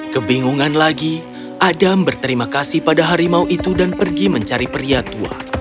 kebingungan lagi adam berterima kasih pada harimau itu dan pergi mencari pria tua